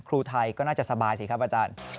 ครูไทยก็น่าจะสบายสิครับอาจารย์